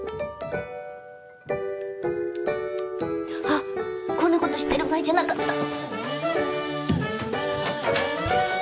あっこんなことしてる場合じゃなかった。